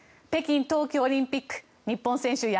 北京冬季オリンピック日本選手